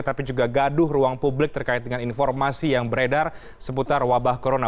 tapi juga gaduh ruang publik terkait dengan informasi yang beredar seputar wabah corona